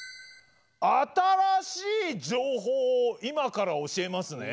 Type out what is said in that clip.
新しい情報を今から教えますね。